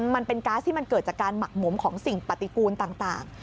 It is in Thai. มันเป็นก๊าซที่มันเกิดจากการหมักหมมของสิ่งปฏิกูลต่าง